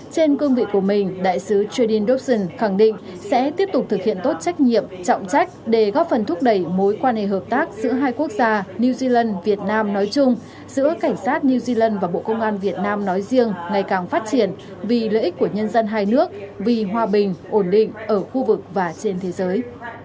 trên cương vị của mình đại sứ tridin dobson khẳng định sẽ tiếp tục thực hiện tốt trách nhiệm trọng trách để góp phần thúc đẩy mối quan hệ hợp tác giữa hai quốc gia new zealand việt nam nói chung giữa cảnh sát new zealand và bộ công an việt nam nói riêng ngày càng phát triển vì lợi ích của nhân dân hai nước vì hòa bình ổn định ở khu vực và trên thế giới